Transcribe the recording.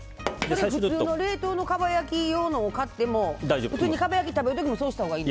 普通の冷凍のかば焼きを買っても普通にかば焼き食べる時もそうしたほうがいいの？